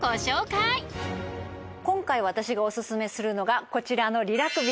今回私がお薦めするのがこちらのリラクビーです。